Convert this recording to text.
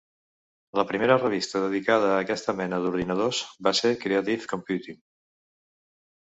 La primera revista dedicada a aquesta mena d'ordinadors va ser "Creative Computing".